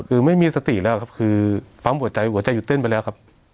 คือไม่มีสติแล้วครับคือปั๊มหัวใจหัวใจหยุดเต้นไปแล้วครับ